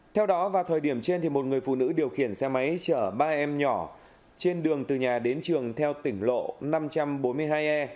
theo đó vào thời điểm trên một người phụ nữ điều khiển xe máy chở ba em nhỏ trên đường từ nhà đến trường theo tỉnh lộ năm trăm bốn mươi hai e